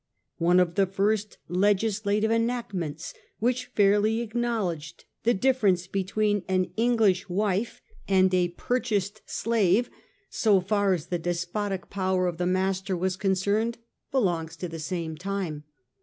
One of the first legis lative enactments which fairly acknowledged the dif ference between an English wife and a purchased 184 A HISTORY OF OUR OWN TIMES. CE. IX. slave, so far as the despotic power of the master was concerned, belongs to the same time.